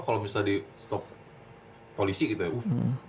kalo misalnya di stop polisi gitu ya